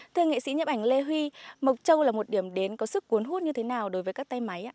thưa nghệ sĩ nhậm ảnh lê huy mộc châu là một điểm đến có sức cuốn hút như thế nào đối với các tay máy ạ